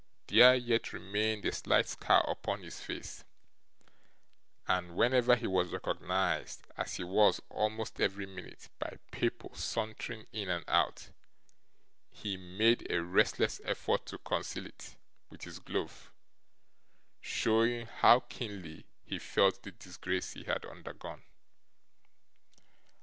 There yet remained a slight scar upon his face, and whenever he was recognised, as he was almost every minute by people sauntering in and out, he made a restless effort to conceal it with his glove; showing how keenly he felt the disgrace he had undergone.